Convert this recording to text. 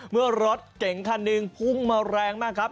เมื่อรถเก่งคันหนึ่งพุ่งมาแรงมากครับ